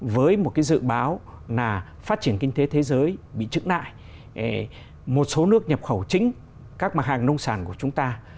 với một dự báo là phát triển kinh tế thế giới bị trứng lại một số nước nhập khẩu chính các mặt hàng nông sản của chúng ta